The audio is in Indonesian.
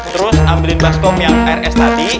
terus ambilin baskom yang rs tadi